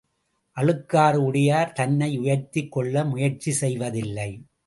அழுக்காறு உடையார் தன்னை உயர்த்திக் கொள்ள முயற்சி செய்வதில்லை.